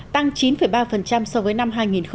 tăng chín ba so với năm hai nghìn một mươi bảy